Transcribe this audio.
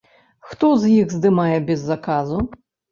Хто з іх здымае без заказу?